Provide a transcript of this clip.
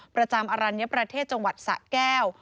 ประจำอรัญญประเทศจังหวัดสะแก้ว